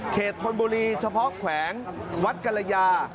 ธนบุรีเฉพาะแขวงวัดกรยา